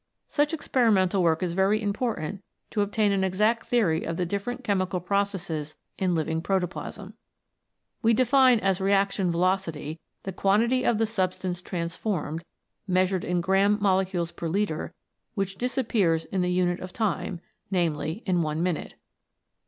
Such experimental work is very important to obtain an exact theory of the different chemical processes in living protoplasm. We define as Reaction Velocity the quantity of the substance transformed, measured in gramm mole cules per litre, which disappears in the unit of time, viz. in one minute.